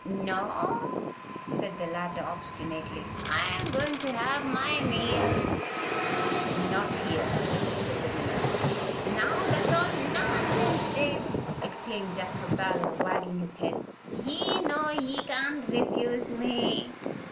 "No," said the latter, obstinately. "I am going to have my meal." "Not here," said the miller. "Now, that's all nonsense, Jabe," exclaimed Jasper Parloe, wagging his head. "Ye know ye can't refuse me."